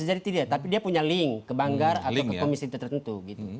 bisa jadi tidak tapi dia punya link ke banggar atau ke komisi tertentu gitu